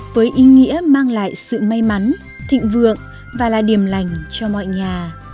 với ý nghĩa mang lại sự may mắn thịnh vượng và là điểm lành cho mọi nhà